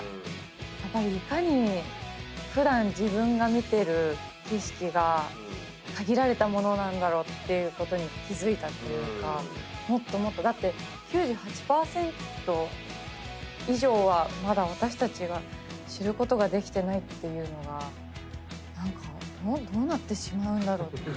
やっぱりいかに普段自分が見てる景色が限られたものなんだろうってことに気付いたっていうかもっともっとだって９８％以上はまだ私たちが知ることができてないっていうのが何かどうなってしまうんだろう。